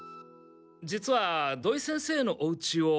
実は土井先生のおうちを。